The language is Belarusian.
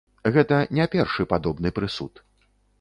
Гэта не першы падобны прысуд.